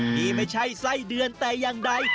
นี่ไม่ใช่ไส้เดือนแต่อย่างใด